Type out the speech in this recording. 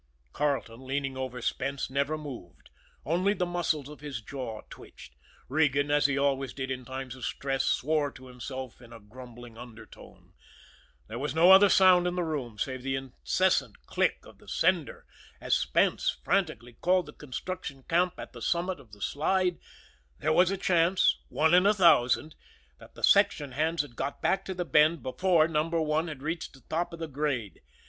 Carleton, leaning over Spence, never moved, only the muscles of his jaw twitched; Regan, as he always did in times of stress, swore to himself in a grumbling undertone. There was no other sound in the room save the incessant click of the sender, as Spence frantically called the construction camp at the summit of the Slide; there was a chance, one in a thousand, that the section hands had got back to the Bend before Number One had reached the top of the grade.